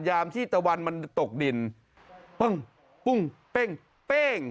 ย่ามที่ตะวันตกดินเบ้งปุ้งเบ้งเบ้ง